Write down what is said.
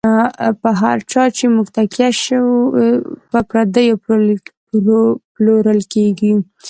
په هر چا چی موږ تکیه شو، په پردیو پلورل کیږی